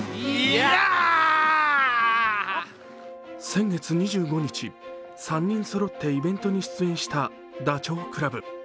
先月２５日、３人そろってイベントに出演したダチョウ倶楽部。